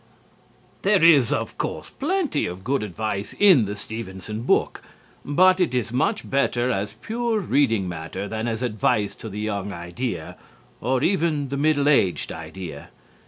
There is, of course, plenty of good advice in the Stevenson book. But it is much better as pure reading matter than as advice to the young idea or even the middle aged idea.